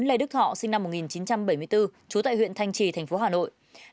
bốn lê đức thọ sinh năm một nghìn chín trăm bảy mươi bốn chú tại huyện thanh trì tp hà nội